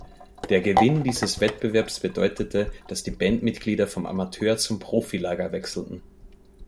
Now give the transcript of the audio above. Der Gewinn dieses Wettbewerbs bedeutete, dass die Bandmitglieder vom Amateur zum Profilager wechselten.